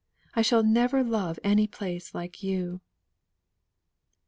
I shall never love any place like you."